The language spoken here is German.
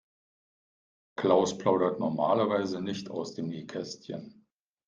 Klaus plaudert normalerweise nicht aus dem Nähkästchen.